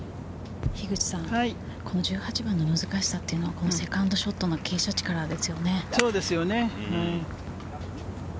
この１８番の難しさというのは、このセカンドショットの傾斜地からですよね。